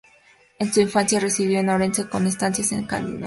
En su infancia residió en Orense, con estancias en Celanova.